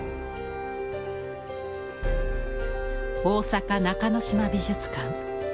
大阪中之島美術館。